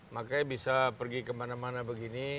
makanya bisa pergi kemana mana begini